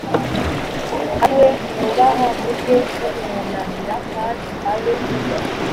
ari we mwubaha mujye mumwunamira kandi abe